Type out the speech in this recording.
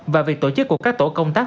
và việc tổ chức của các tổ công tác